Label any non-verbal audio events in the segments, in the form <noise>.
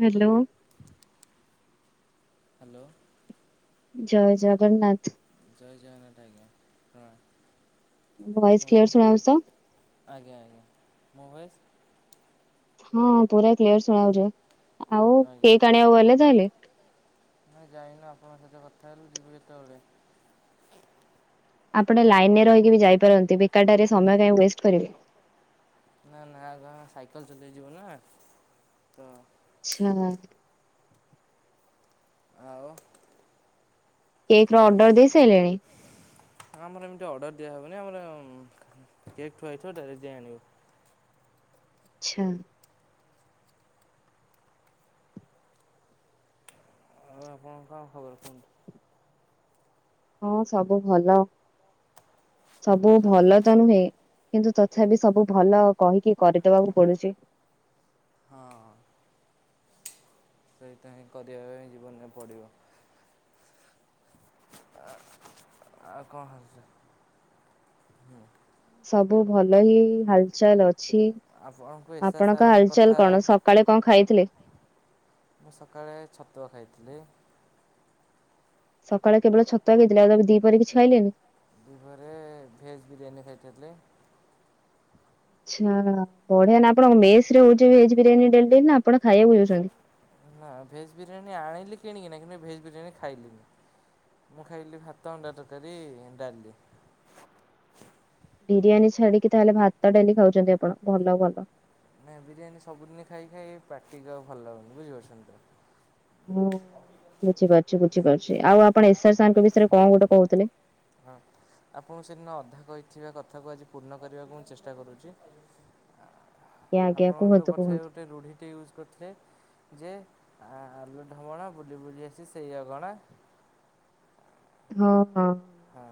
Hello. Hello. ଜୟ ଜଗନ୍ନାଥ। ଜୟ ଜୟନାଟ୍ ଆଂଜ୍ଞା ପ୍ରଣା। Voice clear ଶୁଣାଉସତ? ଆଜ୍ଞା, ଆଜ୍ଞା। ମୋ ଭଏସ୍? ହଁ, ପୁରା କ୍ଲିୟର୍ ଶୁଣାଉଛି। ଆଉ, କେକ୍ ଆଣିବାକୁ ଗଲେ ତାହେଲେ? ନାଁ ଯାଇନୁ। ଆପଣଙ୍କ ସହିତ କଥା ହେଲୁ, ଯିବୁ କେତବେଳେ? ଆପଣ ଲାଇନ୍ ଆଉ ରେ ରହିକି ବି ଯାଇପାରନ୍ତି! ବେକାରଟାରେ ସମୟ କାହିଁ ୱେଷ୍ଟ କରିବେ। ନା, ନା, ଆଗ ଆମ ସାଇକେଲ ଚଲେଇଯିବୁ ନା ତ ଛିୟା ବାତ୍ ଆଉ କେକ୍ ର ଅର୍ଡର ଦେଇ ସାଇଲେଣି? ନା ଆମର ଏମିତି ଅର୍ଡ଼ର ଦିଆହେବନି। ଆମରଁ କେକ୍ ଥୁଆଇଥିବ ଡାଇରେକ୍ଟ ଯାଇ ଆଣିବୁ। ଆଚ୍ଛା। ଆଉ, ଆପଣ କଣ ଖବର କୁହନ୍ତୁ? ହଁ, ସବୁ ଭଲ। ସବୁ ଆଚ୍ଛା ଭଲତ୍ ତ ନୁହେଁ, କିନ୍ତୁ ତଥାପି, ସବୁ ଭଲ କହିକି କରିଦବାକୁ ପଡୁଛି। ହଁ-ଅଁ। ସେଇଥାଇଁ କରିବା ପାଇଁ ଜୀବନରେ ପଡ଼ିବ। ଆ-ଆଉ କଣ ହାଲ୍ ଚାଲ୍? ସବୁ ଭଲ ହିଁ, ହାଲ୍ ଚାଲ୍ ଅଛି। ଆପଣଙ୍କୁ ଏସ୍ ଏସ୍ ଆପଣଙ୍କ ହାଲ୍ ସାର୍ଙ୍କ ଚାଲ୍ କଥା କଣ? ସକାଳେ କଣ ଖାଇଥିଲେ? ମୁଁ ସକାଳେ ଛତୁଆ ଖାଇଥିଲି। ସକାଳେ କେବଳ ଛତୁଆ ଖାଇଥିଲେ, ଆଉ ତାପ ଦିପହରେ କିଛି ଖାଇଲେନି? ଦିପହରେ ଭେଜ ବିରିୟାନୀ ଖାଇଥେଲି। ଛା-ଆ ବଢିଆନା! ଆପଣ ମେସ୍ ରେ ହଉଛି ଭେଜ୍ ବିରିୟାନୀ ଡେଲ୍ ଡେଲ୍ ନା ଆପଣ ଖାଇବାକୁ ଯାଉଛନ୍ତି? ନା, ଭେଜ୍ ବିରିୟାନୀ ଆଣିଲି କିଣିକିନା। କିନ୍ତୁ ଭେଜ୍ ବିରିୟାନୀ ଖାଇଲିନି। ମୁଁ ଖାଇଲି ଭାତ, ଅଣ୍ଡାଟରକାରି, ଡାଲି। ବିରିୟାନୀ ଛାଡିକି, ତାହେଲେ ଭାତ ଡାଲି ଖାଉଛନ୍ତି ଆପଣ! ଭଲ ଭଲ। ନାଇଁ, ବିରିୟାନୀ ସବୁଦିନେ ଖାଇ ଖାଇ ପାଟିକି ଆଉ ଭଲ ଲାଗୁନି। ବୁଝିପାରୁଛନ୍ତି ତ? ହୁଁ, ବୁଝିପାରୁଛି, ବୁଝିପାରୁଛି। ଆଉ, ଆପଣ ଏସ୍ ଆର ସାର୍ ଙ୍କ ବିଷୟରେ କଣ ଗୋଟେ କହୁଥିଲେ? ହଁ। ଆପଣଙ୍କୁ, ସେଦିନ ଅଧା କହିଥିବା କଥାକୁ ଆଜି ପୂର୍ଣ୍ଣ କରିବାକୁ ମୁଁ ଚେଷ୍ଟା କରୁଛି। ଆଜ୍ଞା ଆଜ୍ଞା ଆପଣ ଯେଉଁ କୁହନ୍ତୁ କଥାରେ କୁହନ୍ତୁ ଗୋଟେ ରୁଢ଼ିଟେ ୟୁଜ୍ କରିଥିଲେ? ଯେ ଆଲୁ ଢମଣା, ବୁଲି ବୁଲି ଆସି ସେଇ ଅଗଣା। ହଁ, ହଁ। ହଁ,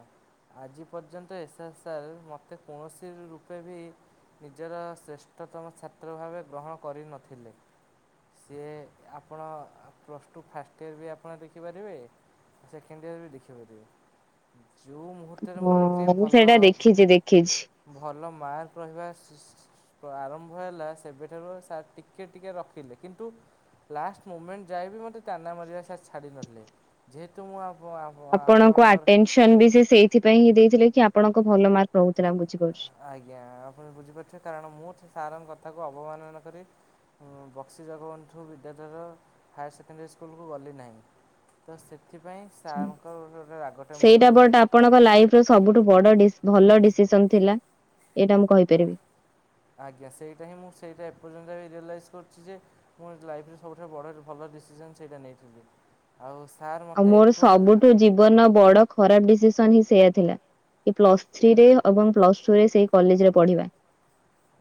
ଆଜି ପର୍ଯ୍ୟନ୍ତ, ଏସ୍ ଆର୍ ସାର୍ ମୋତେ କୌଣସି ରୂପେ ଭି ନିଜର ଶ୍ରେଷ୍ଠତମ ଛାତ୍ର ଭାବେ ଗ୍ରହଣ କରିନଥିଲେ। ସିଏ ଆପଣ ପ୍ଲସ୍ ଟୁ ଫାଷ୍ଟ ଇୟର୍ ବି ଆପଣ ଦେଖିପାରିବେ। ସେକେଣ୍ଡ ଇୟର ବି ଦେଖିପାରିବେ। ଯୋଉ ମୁହୂର୍ତ୍ତରେ ମୋର ଟିକେ ହଁ ମୁଁ ଭଲ ସେଇଟା ଦେଖିଛି ଦେଖିଛି। ଭଲ ମାର୍କ ରହିବା ଆରମ୍ଭ ହେଲା ସେବେଠାରୁ ସାର ଟିକେ ଟିକେ ରଖିଲେ କିନ୍ତୁ ଲାଷ୍ଟ ମୁମେଣ୍ଟ ଯାଏବ ମୋତେ ତାନା ମାରିବା ସାର ଛାଡ଼ି ନଥିଲେ। ଯେହେତୁ ମୁଁ ଆପ ଆପଣଙ୍କୁ ଆପଣଙ୍କର ଆଟେନସନ ସେଇଥିପାଇଁ ହିଁ ଦେଇଥିଲେ କି ଆପଣଙ୍କ ଭଲ ମାର୍କ ରହୁଥିଲା ବୁଝିପାରୁଛି। ଆଜ୍ଞା ଆପଣ ବୁଝିପାରୁଥିବେ କାରଣ ମୁଁ ସେ ସାରଙ୍କ କଥାକୁ ଅବମାନନା କରେ। ମୁଁ ବକ୍ସି ଜଗବନ୍ଧୁ ବିଦ୍ୟାଳୟର ହାୟାର ସେକେଣ୍ଡାରୀ ସ୍କୁଲକୁ ଗଲି ନାହିଁ। ତ ସେଥିପାଇଁ ସାରଙ୍କର ଗୋଟେ ଗୋଟେ ରାଗଟା ମୋର ରହିଗଲା। ଲାଇଫର ସବୁଠୁ ବଡ ଭଲ ଡିସିସନ ଥିଲା ଏଇଟା କହିପାରିବି ଆଜ୍ଞା ସେଇଟା ହିଁ ମୁଁ ସେଇଟା ଏପର୍ଯ୍ୟନ୍ତ ବି ରିଏଲାଇଜ୍ କରୁଛି ଯେ ପୁଣି ଲାଇଫରେ ସବୁଠାରୁ ବ ଭଲ ଡିସିସନ ସେଇଟା ନେଇଥିଲି। ଆଉ ସାର୍ ମୋତେ ଏପର୍ ଜୀବନର ବଡ ଖରାପ ଡିସିସନ ହିଁ ସେୟା ଥିଲା। ଏ ପ୍ଲସ୍ ଥ୍ରୀରେ ଏବଂ ପ୍ଲସ ଟୁ ରେ ସେଇ କଲେଜ ରେ ପଢିବା?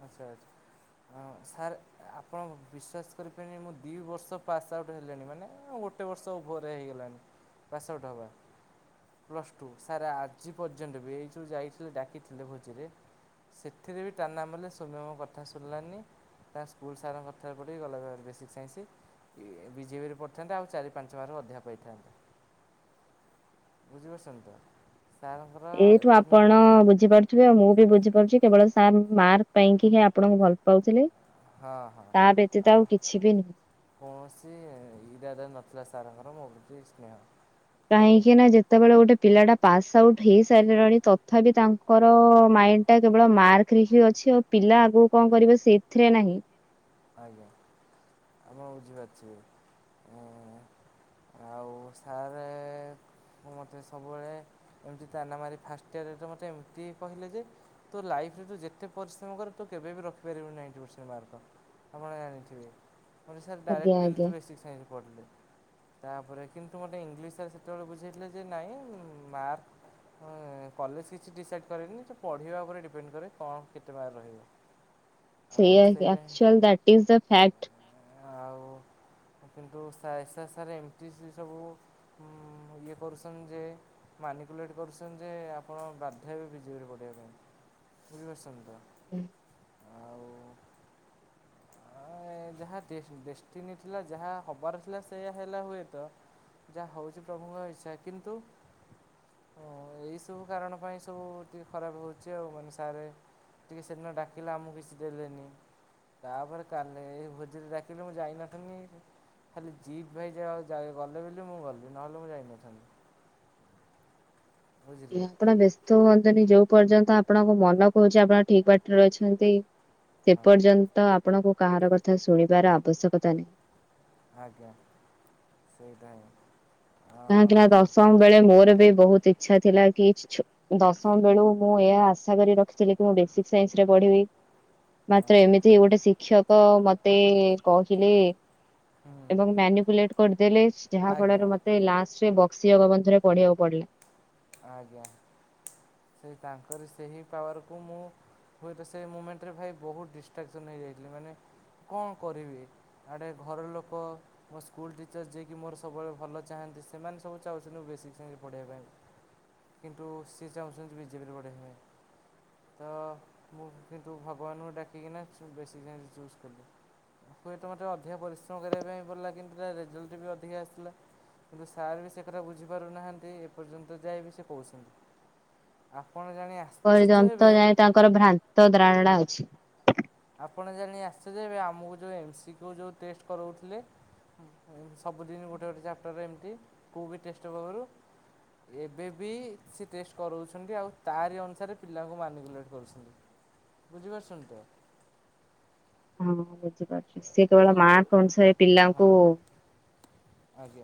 ଆଚ୍ଛା ଆଚ୍ଛା ହଁ ସାର୍ ଆପଣ ବିଶ୍ୱାସ କରିପାରିବେନି ମୁଁ ଦୁଇ ବର୍ଷ ପାସ୍ ଆଉଟ୍ ହେଲେଣି ମାନେ ଗୋ ଗୋଟେ ବର୍ଷ ଉପରେ ହେଇଗଲାଣି ପାସ୍ ଆଉଟ୍ ହବା। ପ୍ଲସ୍ ଟୁ ସାର୍ ଆଜି ପର୍ଯ୍ୟନ୍ତ ବି ଏଇ ଯେଉଁ ଯାଇଥିଲେ ଡାକିଥିଲେ ଭୋଜିରେ। ସେଥିରେ ବି ଟାନା ବୋଲେ ସୋମେ ମୋ କଥା ଶୁଣିଲାନି ତାଙ୍କ ସ୍କୁଲ୍ ସାରଙ୍କ କଥାରେ ପଡ଼ିକି ଗଲା ବେସିକ୍ ସାଇନ୍ସ ବିଜେପିରେ ପଡ଼ିଥାନ୍ତେ ଆଉ ଚାରି ପାଞ୍ଚ ମାର୍କରୁ ଅଧା ପାଇଥାନ୍ତି। ବୁଝିପାରୁଛନ୍ତି ତ? ସାର୍ଙ୍କର ଏଇଠୁ ଏପରି ଆପଣ ବୁଝିପାରୁ ଥିବେ ଆଉ ମୁଁ ବି ବୁଝିପାରୁଛି କେବଳ ସାର୍ ମାର୍ ପାଇଁକି ଆପଣଙ୍କୁ ଭଲ ପାଉଥିଲେ। ହଁ ହଁ ତା ବ୍ୟତୀତ ଆଉ କିଛି ବି ନୁହେଁ। କୌଣସି ଇରାରେ ନଥିଲା ସାରଙ୍କର ମୋ ପ୍ରତି ସ୍ନେହ। ହ୍ୟାଲୋ କାହିଁକି ନା ଯେ ଯେତେବେଳେ ଗୋଟେ ପିଲାଟା ପାସ୍ ଆଉଟ୍ ହେଇସାରିଲାଣି ତଥାପି ତାଙ୍କର ମାଇଣ୍ଡଟା କେବଳ ମାର୍କ ଚାକିରି ହ ଅଛି ଆଉ ପିଲା ଆଗକୁ କଣ କରିବ ସେ ଏଥିରେ ନାହିଁ। ଆଜ୍ଞା ଆ ମୁଁ ବୁଝିପାରୁଛି। ଆଉ ସାର୍ ମୁଁ ମୋତେ ସବୁବେଳେ ଏମିତି ତାନା ମାରି ଫାଷ୍ଟ ଇୟରେ ମୋତେ ଏମିତି କହିଲେ ଯେ ତୁ ଲାଇଫରେ ତୁ ଯେତେ ପରିଶ୍ରମ କରୁ ତୁ କେବେ ବି ରଖିପାରିବୁି ନାଇଟି ପରସେଣ୍ଟ ମାର୍କ? ଆପଣ ଜାଣିଥିବେ ମତେ ସାର୍ ଆଜ୍ଞା ଡାଇରେକ୍ଟ କହିଲି ଆଜ୍ଞା ତୁ ବେସିକ୍ ସାଇନ୍ସରେ ପଢ଼ିଲେ। ତାପରେ କିନ୍ତୁ ମୋତେ ଇଂଲିଶରେ ସେତେବେଳେ ବୁଝାଇଥିଲେ ଯେ ନାଇଁ ମାର୍କ ହଁ କଲେଜ କିଛି ଡିସାଇଡ୍ କରେନି ଯେ ପଢ଼ିବା ଉପରେ ଡିପେଣ୍ଡ କରେ କଣ କେତେ ମାର୍କ ରହିବ? <inaudible> ସେଇଆ ସେଇଟା ହିଁ actually that is the fact. ଆଉ କିନ୍ତୁ ସାର୍ ଏମିତି ସେ ସବୁ ମୁଁ ଇଏ କରୁଛନ୍ତି ଯେ ମାନକୁ ଲେଟ୍ କରୁଛନ୍ତି ଯେ ଆପଣ ବାଧ୍ୟ ହେବେ ଭିଜିବରେ ପଡ଼ିବା ପାଇଁ ବୁଝିପାରୁଛନ୍ତି ତ? ହୁଁ। ଆଉ ଯାହା ଡେଷ୍ଟିନ ଥିଲା ଯାହା ହବାର ଥିଲା ସେଇୟା ହେଲା ହୁଏତ। ଯାହା ହେଉଛି ପ୍ରଭୁଙ୍କ ଇଚ୍ଛା କିନ୍ତୁ ହଁ ଏଇ ସବୁ କାରଣ ପାଇଁ ସବୁ ଟିକେ ଖରାପ ହଉଛି ଆଉ ମାନେ ସାର୍ ଟିକେ ସେଦିନ ଡାକିଲା ଆମକୁ କିଛି ଦେଲେନି। ତାପରେ କାଲି ଏଇ ଭୋଜିରେ ଡାକିଲେ ମୁଁ ଯାଇନଥିଲିନି। ଖାଲି ଜିିତ୍ ଭାଇ ଯା ଗଲେ ବୋଲି ମୁଁ ଗଲି। ନହେଲେ ମୁଁ ଯାଇନଥାନ୍ତି। ବୁଝିଲେ। ଆପଣ ବ୍ୟସ୍ତ ହୁଅନ୍ତୁନି। ଯୋଉ ପର୍ଯ୍ୟନ୍ତ ଆପଣଙ୍କ ମନ କହୁଛି ଆପଣ ଠିକ ବାଟରେ ଅଛନ୍ତି। ସେ ହଁ ପର୍ଯ୍ୟନ୍ତ ଆପଣଙ୍କୁ କାହାର କଥା ଶୁଣିବାର ଆବଶ୍ୟକତା ନାହିଁ। ଆଜ୍ଞା ସେଇଥାଇ। କାହିଁକି ନା ଦଶମ ବେଳେ ମୋର ବି ବହୁତ ଇଚ୍ଛା ଥିଲା କି ଛୋ ଦଶମ ବେଳୁ ମୁଁ ଏହା ଆଶା କରି ରଖିଥିଲି କି ମୁଁ ବେସିକ ସାଇନ୍ସ ରେ ପଢିବି। ମାତ୍ର ଆଜ୍ଞା ଏମିତି ଗୋଟେ ଶିକ୍ଷକ ମତେ କହିଲେ ହୁଁ ଏବଂ ମାନପଲେଟ କରିଦେଲେ ଯାହା ଆଜ୍ଞା ଫଳରେ ମତ୍ ଲାଷ୍ଟରେ ବକ୍ସି ଜଗବନ୍ଧୁରେ ପଢିବାକୁ ପଡିଲା। ଆଜ୍ଞା। ସେ ତାଙ୍କରି ସେହି ପାୱାରକୁ ମୁଁ ହୁଏତ ସେ ମୁମେଣ୍ଟରେ ଭାଇ ବହୁତ ଡିଷ୍ଟ୍ରାକ୍ସନ ହେଇଯାଇଥିଲି। ମାନେ କଣ କରିବି? ଆଡେ ଘର ଲୋକ ମୋ ସ୍କୁଲ୍ ଟିଚର୍ ଯିଏକି ମୋର ସବୁବେଳେ ଭଲ ଚାହାନ୍ତି। ସେମାନେ ସବୁ ଚାହୁଁଛନ୍ତିଁ ବେସିକ୍ ସାଇନ୍ସରେ ପଢିବା ପାଇଁ। କିନ୍ତୁ ସେ ଚାହୁଁଛନ୍ତି ଯେ ବିଜେପିରେ ପଢିବା ପାଇଁ। ତ ମୁଁ କିନ୍ତୁ ଭଗବାନଙ୍କୁ ଡାକିକିନା ବେସିକ୍ ସାଇନ୍ସ ଚୁଜ୍ କଲି। ହୁଏତ ମୋତେ ଅଧିକା ପରିଶ୍ରମ କରିବା ପାଇଁ ପଡିଲା। କିନ୍ତୁ ତା ରେଜଲ୍ଟ ବି ଅଧିକା ଆସିଲା। କିନ୍ତୁ ସାର୍ ବି ସେ କଥା ବୁଝିପାରୁନାହାନ୍ତି। ଏପର୍ଯ୍ୟନ୍ତ ଯାଏ ବି ସେ କହୁଛନ୍ତି। ଆପଣ ଜାଣି ଆ ପଯ୍ୟନ୍ତ ଯାଏ ତାଙ୍କର ଭ୍ରାନ୍ତ ଧ୍ରାରଣା ଅଛି। ଆପଣ ଜାଣି ଆଶ୍ଚଯ୍ୟ ହେବେ। ଆମକୁ ଯୋଉ ଏମସି କ୍ୟୁ ଯୋଉ ଟେଷ୍ଟ କରୋଉଥିଲେ। ସବୁଦିନ ଗୋଟେ ଗୋଟେ ଚାପ୍ଟର ଏମିତି କୋଉ ବି ଟେଷ୍ଟପେପର୍ ରୁ ଏବେ ବି ସେ ଟେଷ୍ଟ କରଉଛନ୍ତି। ଆଉ ତାରି ଅନୁସାରେ ପିଲାଙ୍କୁ ମାନିକୁଲେଟ୍ କରୁଛନ୍ତି। ବୁଝିପାରୁଛନ୍ତି ତ। ହଁ ବୁଝିପାରୁଛି। ସେ କେବଳ ଯୋଉ ମାର୍କ ଅନୁସାରେ ପିଲାଙ୍କୁ ହଁ। ଆଜ୍ଞା।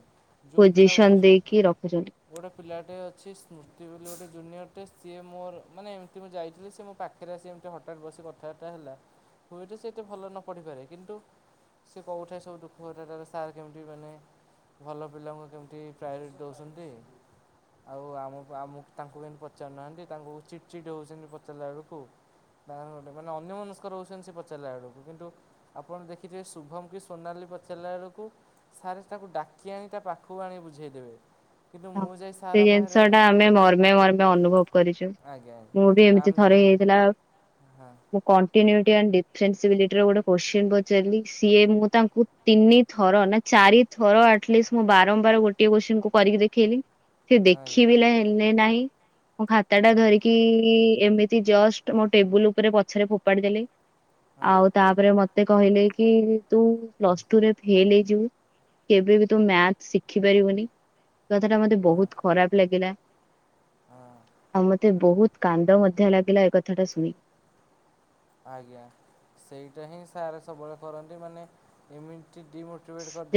ଯୋଉ ପିଲା ଗୋଟେ ପୋଜିସନ ଦେଇକି ରଖୁଛନ୍ତି। ଗୋଟେ ପିଲାଟେ ଅଛି ସ୍ମୃତି ବୋଲି ଗୋଟେ ଜୁନିୟର ଟେ। ସିଏ ମୋର ମାନେ ଏମିତି ମୁଁ ଯାଇଥିଲି। ସିଏ ମୋ ପାଖ ପାଖରେ ଆସି ଏମିତି ହଠାତ୍ ବସି କଥାବାର୍ତ୍ତା ହେଲା। ହୁଏତ ସେ ଏତେ ଭଲ ନ ପଢିପାରେ। କିନ୍ତୁ ସେ କହୁଠେ ସବୁ ଦୁଃଖ କଥା ତାର ସାର୍ କେମିତି ମାନେ ଭଲ ପିଲାଙ୍କୁ କେମିତି ପ୍ରାୟୋରିଟି ଦେଉଛନ୍ତି। ଆଉ ଆମ ଆମକୁ ତାଙ୍କୁ କେମତି ପଚାରୁନାହାଁନ୍ତି ତାଙ୍କୁ ଚିଟ୍ ଚିଟ୍ ହେଉଛନ୍ତି ପଚାରିଲା ବେଳକୁ। ଗୋଟେ ମାନେ ଅନ୍ୟ ମନସ୍କର ରଉଛନ୍ତି ସେ ପଚାରିଲା ବେଳକୁ। କିନ୍ତୁ ଆପଣ ଦେଖିଥିବେ ଶୁଭମ କି ସୋନାଲି ପଚାରିଲା ବେଳକୁ ସାରେ ତାକୁ ଡାକି ଆଣି ତା ପାଖକୁ ଆଣି ବୁଝେଇଦେବେ। କିନ୍ତୁ ହଁ ମୁଁ ଯାଇ ସାର୍ ସେ ପାଖରେ ଜିନିଷ ଟା ଆମେ ମର୍ମେ ମର୍ମେ ଅନୁଭବ କରିଛୁ। ଆଜ୍ଞା ମୁଁ ବି ଆଜ୍ଞା ଆମ ଏମିତି ଥରେ ହେଇ ଥିଲା। ହଁ। ମୁଁ କଣ୍ଟିନିଉଟି ଆଣ୍ଡ ଦିଫ୍ରେନ୍ସବିଲିଟି ରେ ଗୋଟେ କୋଶ୍ଚିନ୍ ପଚାରିଲି। ସିଏ ମୁଁ ତାଙ୍କୁ ତିନି ଥର ନା ଚାରି ଥର ଆଟଲିଷ୍ଟ ମୁଁ ବାରମ୍ବାର ଗୋଟିଏ କୋଶ୍ଚିନ୍ କୁ କରିକି ଦେଖ ଦେଖେଇଲି ସେ ଆଜ୍ଞା ଦେଖିବି ନା ନାହିଁ। ମୋ ଖାତା ଟା ହଁ ଧରି ଏଇ ଏମିତି ଜଷ୍ଟ ମୋ ଟେବୁଲ ଉପରେ ପଛରେ ଫୋପାଡି ଦେଲି। ହଁ ଆଉ ତା ତାପରେ ମତେ କହିଲେ କି ତୁ ପ୍ଲସ୍ ଟୁରେ ଫେଲେ ହେଇଯିବୁ। କେବେ ବି ତୁ ମ୍ୟାଥ ଶିଖି ପାରିବୁନି। କଥା ଟା ମତେ ହଁ ବହୁତ ଖରାପ ଲାଗିଲା। ହଁ। ଆଉ ମତେ ବହୁତ କାନ୍ଦ ମଧ୍ୟ ଲାଗିଲା। ଏ କଥାଟା ଶୁଣିିକି। ଆଜ୍ଞା ସେଇଟା ହିଁ ସାର୍ ସବୁବେଳେ କରନ୍ତି। ମାନେ ଏମିତି ଡି ମୋ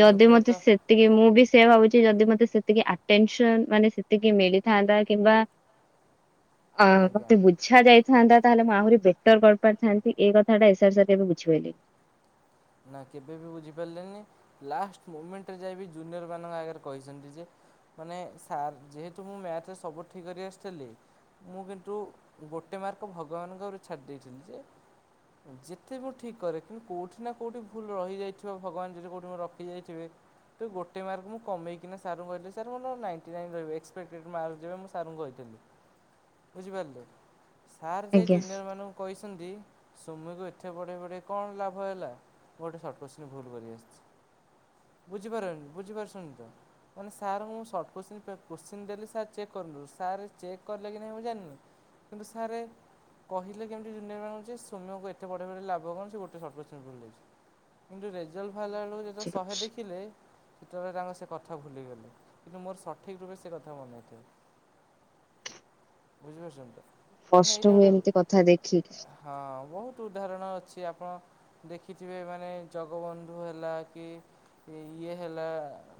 ଯଦି ମତେ ସେ ସେତିକି ମୁଁ ବି ସେ ଭାବୁଛି ଯଦି ମତେ ସେତିକି ଆଟେନସନ ମାନେ ସେତିକି ମିଳିଥାନ୍ତା। କିମ୍ବା <inaudible> ଆ ଆଜ୍ଞା ମତେ ବୁଝ୍ ଇଛା ଯାଇଥାନ୍ତା ତାହଲେ ମୁଁ ଆହୁରି ବେଟର କରିପାରିଥାନ୍ତି ଏଇ କଥାଟା ଏସ ଆର ସାର କେବେ ବୁଝିପାରିଲେନି। ନା କେବେ ବି ବୁଝିପାରିଲେନି ଲାଷ୍ଟ ମୁମେଣ୍ଟରେ ଯାଇ ଜୁନିୟର ମାନଙ୍କ ଆଗରେ କହିଚନ୍ତି ଯେ ମାନେ ସାର୍ ଯେହେତୁ ମୁଁ ମ୍ୟାଥରେ ସବୁ ଠିକ୍ କରି ଆସିଥିଲି ମୁଁ କିନ୍ତୁ ଗୋଟେ ମାର୍କ ଭଗବାନଙ୍କ ଉପରୁ ଛାଡ଼ି ଦେଇେଇଥିଲି ଯେ ଯେତେ ମୁଁ ଠିକ୍ କରେ କିନ୍ତୁ କୋଉଠି କୋଉଠିନା କୋଉଠି ଭୁଲ ରହିଯାଇଥିବ ଭଗବାନ ଯଦି କୋଉଠି ମୋର ରଖି ଯାଇଥିବେ ତୁ ଗୋଟେ ମାର୍କ ମୁଁ କମେଇକିନା ସାରଙ୍କୁ କହିଥିଲେ ସାର୍ ମୋର ନାଇଣ୍ଟି ନାଇନ୍ ରହିବ ଏକ୍ସପେକ୍ଟେ୍ଡ୍ ମାର୍କ ଯିବ ମୁଁ ସାରଙ୍କୁ କହିଥିଲି ବୁଝିପାରିଲେ। ସାର୍ ଯେ ଆଜ୍ଞା ଜୁନିୟର ମାନଙ୍କୁ କହିଛନ୍ତି ସୋମ୍ୟକୁ ଏତେ ପଢ଼େଇ ପଢ଼େଇ କଣ ଲାଭ ହେଲା ମୁଁ ଗୋଟେ ସର୍ଟ କୋଶ୍ଚିନ ଭୁଲ କରିଆସିଛି ବୁଝିପାରୁଛନ୍ ବୁଝିପାରୁଛନ୍ତି ତ ମାନେ ସାର୍ ଙ୍କୁ ମୁଁ ସର୍ଟ କୋଶ୍ଚିନ୍ ଫେର କୋଶ୍ଚିନ୍ ଦେଲି ସାର୍ ଚେକ୍ କରନ୍ତୁ ସାର୍ ଚେକ୍ କଲେ କି ନାହିଁ ମୁଁ ଜାଣିନି କିନ୍ତୁ ସାରେ କହିଲେ କେମିତି ଜୁନିୟର ମାନଙ୍କୁ ଯେ ସୋମ୍ୟକୁ ଏତେ ପଢ଼େଇ ପଢ଼େଇ ଲାଭ କଣ ସେ ଗୋଟେ ସର୍ଟ କୋଶ୍ଚିନ୍ ଭୁଲ୍ କରିଛି। କିନ୍ତୁ ରେଜଲ୍ଟ୍ ବାହାରଲା ବେଳକୁ ଯେତେଳୁ ଶହେ ବୁଝିପାରୁଛି ଦେଖିଲେ ସେତବେଳେ ତାଙ୍କ ସେ କଥା ଭୁଲିଗଲେ କିନ୍ତୁ ମୋର ସଠିକ୍ ରୂପେ ସେ କଥା ମନେଥିବ। ବୁଝିପାରୁଛନ୍ତି ତ ମାନେ ଏଇଟା କଷ୍ଟ ହୁଏ ଗୋଟେ ଏମିତି କଥା ଦେଖିକି। ହଁ ବହୁତ ଉଦାହରଣ ଅଛି ଆପଣ ଇଥିପାଇଁ ମାନେ ଜଗବନ୍ଧୁ ହେଲା କି ଏଇ ଇଏ ହେଲା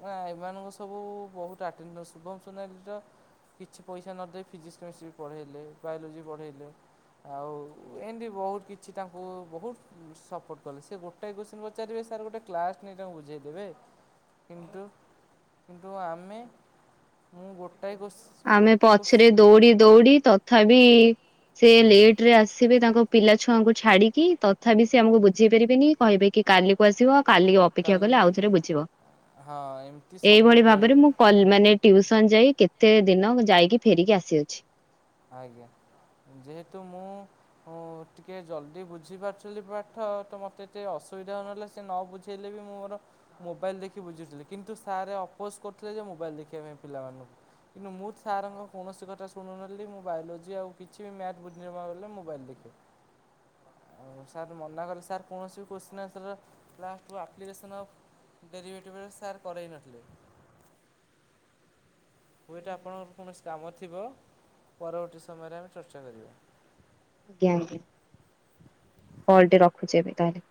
ନା ଏମାନଙ୍କୁ ସବୁ ବହୁତ ଆଟେନାଣ୍ଡ ଶୁଭମ ସୁନାଲିର କିଛି ପଇସା ନ ଦେଇ ଫିଜିକ୍ସ, କେମିଷ୍ଟ୍ରି ପଢ଼ାଇଲେ ବାୟୋଲୋଜି ପଢ଼ାଇଲେ। ଆଉ ଏମିତି ବହୁତ କିଛି ତାଙ୍କୁ ବହୁତ ସପୋର୍ଟ କହିଲେ ସେ ଗୋଟାଏ କୁଶ୍ଚେନ୍ ପଚାରିବେ ସାର୍ ଗୋଟେ କ୍ଲାସ୍ ନେଇ ତାଙ୍କୁ ବୁଝେଇ ଦେବେ କିନ୍ତୁ କିନ୍ତୁ ଆମେ ମୁଁ ଗୋଟାଏ କୋଶ୍ଚି ଆମେ ଗୋଟାଏ କୋଶ୍ଚି ପଛରେ ଦୌଡି ଦୌଡି ତଥାପି ସେ ହୁଁ ଲେଟ ରେ ଆସିବେ ତାଙ୍କ ପିଲା ଛୁଆଙ୍କୁ ଛାଡିକି ତଥାପି ସେ ଆମକୁ ବୁଝେଇ ପାରିବେନି କହିବେ କି କାଲି ବସିବ କାଲି ଅପେକ୍ଷା କଲେ କାଲିକି ଆସ ଆଉଥରେ ବୁଝିବ ହଁ ଏମିତି ଏଇଭଳି ଭାବରେ ସବୁବେଳେ ମୁଁ କଲ ମାନେ ଟ୍ୟୁସନ ଯାଇ କେତେ ଦିନ ମୁଁ ଯାଇକି ଫେରିକି ଆସିଅଛି। ଆଜ୍ଞା ଯେହେତୁ ମୁଁ ହଁ ଟିକେ ଜଲଦି ବୁଝିପାରୁଥିଲି ଯଦି ପାଠ ତ ମତେ ଏତେ ଅସୁବିଧା ହଉନଥିଲା ସେ ନ ବୁଝେଇଲେ ବି ମୁଁ ମୋର ମୋବାଇଲ ଦେଖି ବୁଝୁଥିଲି କିନ୍ତୁ ସାରେ ଅପୋଜ କରୁଥିଲେ ଯେ ମୋବାଇଲ ଦେଖିବା ପାଇଁ ପିଲାମାନଙ୍କୁ। କିନ୍ତୁ ମୁଁ ସାରଙ୍କ କୌଣସି କଥା ଶୁଣୁନ ଯଦି ମୁଁ ବାୟଲୋଜି ଆଉ କିଛି ବି ମ୍ୟାଥ୍ ବୁଝିନପାରିଲେ ମୋବାଇଲ ଦେଖେ। ଆଉ ସାର୍ ମନା କଲେ ସାର୍ କୌଣସି ବି କୋଶ୍ଚିନ୍ ଆନ୍ସର ଲାଷ୍ଟ୍ କୁ ଆପ୍ଲିକେସନ୍ ଅଫ୍ ଦେରିଭେଟି ବେଳେ ସାର୍ କରାଇ ନଥିଲେ ହୁଏତ ଆପଣଙ୍କର କୌଣସି କାମ ଥିବ ପରବର୍ତ୍ତୀ ସମୟରେ ଆମେ ଚର୍ଚ୍ଚା କରିବା। ଆଜ୍ଞା ଆଜ୍ଞା କଲଟି ରଖୁଚି ଏବେ ତାହେଲେ।